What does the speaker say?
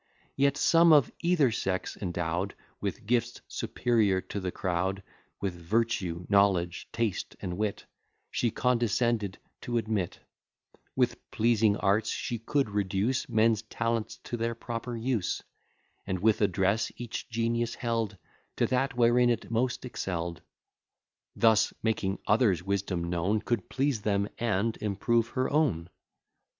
Yet some of either sex, endow'd With gifts superior to the crowd, With virtue, knowledge, taste, and wit She condescended to admit: With pleasing arts she could reduce Men's talents to their proper use; And with address each genius held To that wherein it most excell'd; Thus, making others' wisdom known, Could please them, and improve her own.